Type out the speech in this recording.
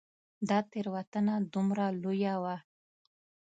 دا تېروتنه دومره لویه وه.